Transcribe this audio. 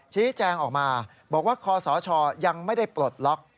ชี้แจงออกมาบอกว่าคอสชยังไม่ได้ปลดล็อก